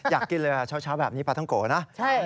อยากกินเลยเช้าแบบนี้ปลาท้องโกะนะ